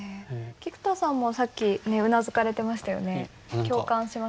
菊田さんもさっきうなずかれてましたよね。